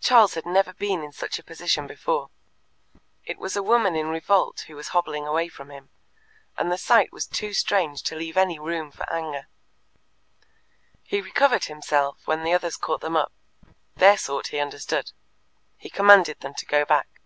Charles had never been in such a position before. It was a woman in revolt who was hobbling away from him, and the sight was too strange to leave any room for anger. He recovered himself when the others caught them up: their sort he understood. He commanded them to go back.